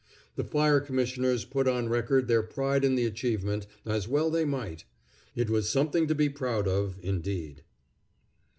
The fire commissioners put on record their pride in the achievement, as well they might. It was something to be proud of, indeed.